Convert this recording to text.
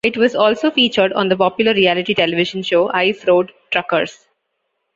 It was also featured on the popular reality television show "Ice Road Truckers".